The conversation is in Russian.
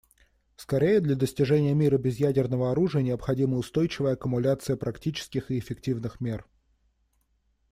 Скорее, для достижения мира без ядерного оружия необходима устойчивая аккумуляция практических и эффективных мер.